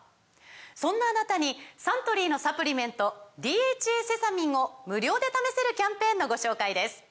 そんなあなたにサントリーのサプリメント「ＤＨＡセサミン」を無料で試せるキャンペーンのご紹介です